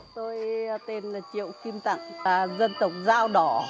tôi tên triệu kim tặng dân tộc giao đỏ